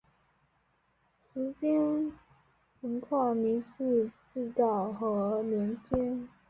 时间横跨明治至昭和年间。